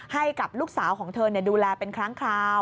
ให้กับลูกสาวของเธอดูแลเป็นครั้งคราว